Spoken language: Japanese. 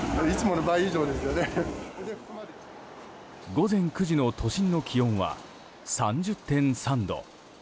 午前９時の都心の気温は３０．３度。